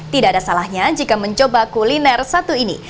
tidak ada salahnya jika mencoba kuliner satu ini